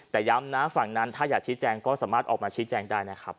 แต่ย้ำนะฝั่งนั้นถ้าอยากชี้แจงก็สามารถออกมาชี้แจงได้นะครับ